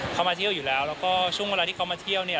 ส่วนเวลาที่เขามาเที่ยวเนี่ย